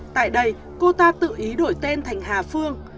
tại đây cô ta tự ý đổi tên thành hà phương